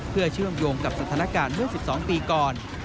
เพื่อเชื่อมโยงกับสถานการณ์เมื่อ๑๒ปีก่อน